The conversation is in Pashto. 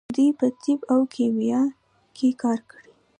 دوی په طب او کیمیا کې کار کړی.